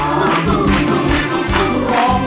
ร้องได้ไอ้ล้าง